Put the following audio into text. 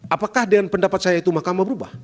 apakah dengan pendapat saya itu mahkamah berubah